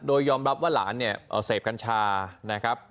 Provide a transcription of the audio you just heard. โดยยอมรับว่าหลานเนี่ยเสพกัญชานะครับ